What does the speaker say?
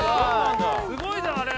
すごいじゃんあれ！